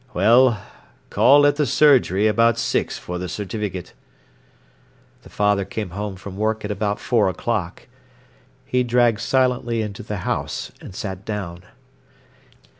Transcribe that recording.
"Well, call at the surgery about six for the certificate." The father came home from work at about four o'clock. He dragged silently into the house and sat down.